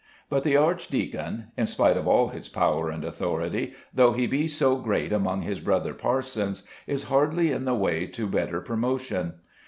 But the archdeacon, in spite of all his power and authority, though he be so great among his brother parsons, is hardly in the way to better promotion.